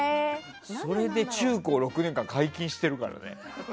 それで中高６年間皆勤しているからね。